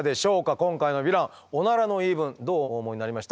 今回のヴィランオナラの言い分どうお思いになりました？